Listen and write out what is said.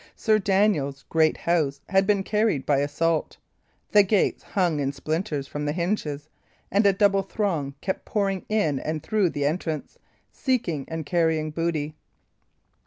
Sir Daniel's great house had been carried by assault. The gates hung in splinters from the hinges, and a double throng kept pouring in and out through the entrance, seeking and carrying booty.